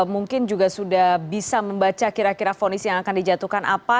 mungkin juga sudah bisa membaca kira kira fonis yang akan dijatuhkan apa